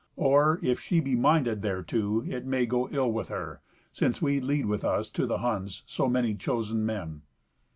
Or, if she be minded thereto, it may go ill with her, since we lead with us to the Huns so many chosen men."